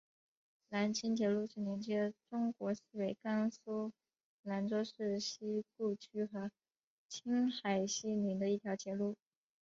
兰青铁路是连接中国西北甘肃兰州市西固区和青海西宁的一条铁路。